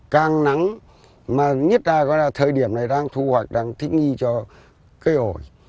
càng nắng mà nhất ra thời điểm này đang thu hoạch đang thích nghi cho cây ổi